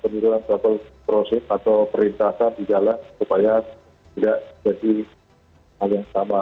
penyelidikan kabel proses atau perintahkan di jalan supaya tidak jadi hal yang sama